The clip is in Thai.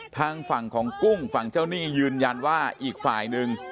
ทางฝั่งของกุ้งฝั่งเจ้าหนี้ยืนยันว่าอีกฝ่ายหนึ่ง